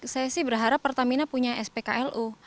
saya sih berharap pertamina punya spklu